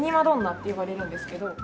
どんなって呼ばれるんですけど。